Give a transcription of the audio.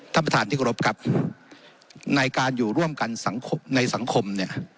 ท่านประธานที่กรบครับในการอยู่ร่วมกันสังคมในสังคมเนี่ย